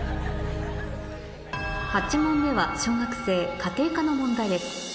８問目は小学生家庭科の問題です